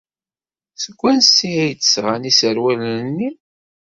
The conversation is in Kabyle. Seg wansi ay d-sɣan iserwalen-nni?